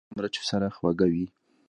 ښوروا د شنو مرچو سره خوږه وي.